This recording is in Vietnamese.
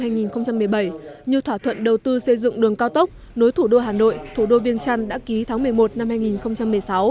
như thỏa thuận đầu tư xây dựng đường cao tốc nối thủ đô hà nội thủ đô viên trăn đã ký tháng một mươi một năm hai nghìn một mươi sáu